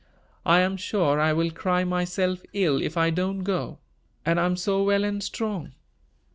I am sure I will cry myself ill if I don't go; and I am so well and strong."